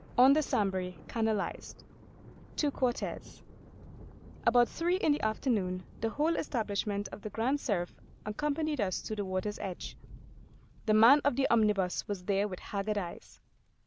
ON THE SAMBRE CANALISED: TO QUARTES ABOUT three in the afternoon the whole establishment of the Grand Cerf accompanied us to the water's edge. The man of the omnibus was there with haggard eyes.